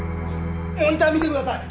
モニター見てください